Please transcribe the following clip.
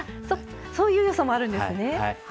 そういうよさもあるんですね。